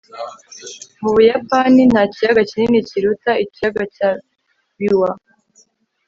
mu buyapani, nta kiyaga kinini kiruta ikiyaga cya biwa